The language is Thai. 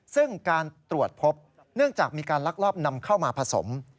ซึ่งการตรวจพบเนื่องจากมีการลักลอบนำเข้ามาผสม